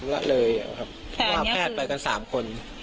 และเลยครับว่าแพทย์ไปกัน๓คน